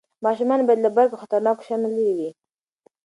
ماشومان باید له برق او خطرناکو شیانو لرې وي.